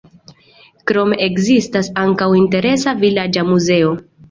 Krome ekzistas ankaŭ interesa vilaĝa muzeo.